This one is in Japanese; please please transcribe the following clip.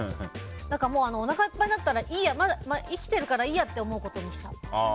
だからおなかいっぱいになったらいいや生きてるからいいやって思うことにした。